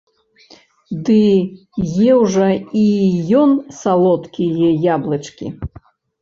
Ды еў жа і ён салодкія яблычкі!